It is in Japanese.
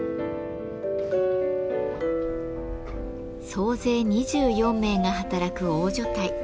総勢２４名が働く大所帯。